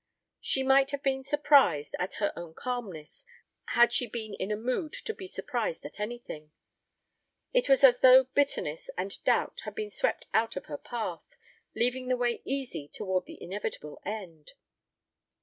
She might have been surprised at her own calmness had she been in a mood to be surprised at anything. It was as though bitterness and doubt had been swept out of her path, leaving the way easy toward the inevitable end.